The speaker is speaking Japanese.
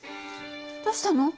どうしたの？